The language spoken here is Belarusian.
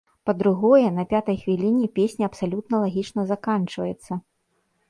Па-другое, на пятай хвіліне песня абсалютна лагічна заканчваецца.